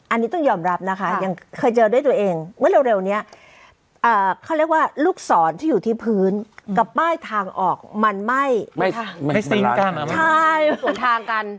อันนี้ต้องยอมรับนะคะยังเคยเจอด้วยตัวเองเมื่อเร็วนี้เขาเรียกว่าลูกศรที่อยู่ที่พื้นกับป้ายทางออกมันไหม้สวนทางกัน